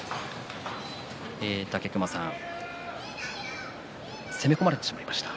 武隈さん攻め込まれてしまいました。